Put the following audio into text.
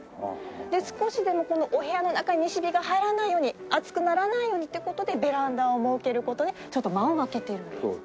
で少しでもこのお部屋の中に西日が入らないように暑くならないようにって事でベランダを設ける事でちょっと間を空けてるんです。